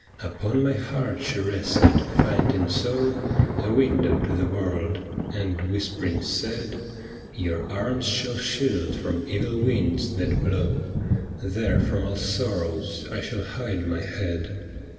Upon my heart she rested, finding so A window to the world, and whisp'ring said, * Your arms shall shield from evil winds that blow, There from all sorrows I shall hide my head.